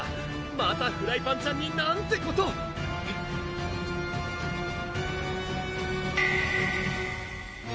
またフライパンちゃんになんてことえっ？